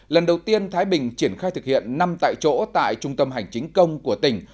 lần đầu tiên thái bình triển khai thực hiện năm tại chỗ tại trung tâm hành chính công của tỉnh